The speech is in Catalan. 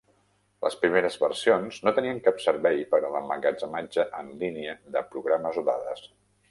Les primeres versions no tenien cap servei per a l'emmagatzematge en línia de programes o dades.